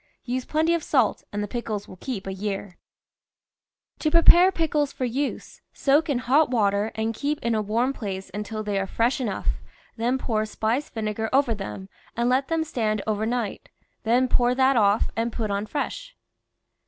Use plenty of salt and the pickles will keep a year. THE VEGETABLE GARDEN To prepare pickles for use, soak in hot water and keep in a warm place until they are fresh enough, then pour spiced vinegar over them and let them stand over night, then pour that off, and put on fresh.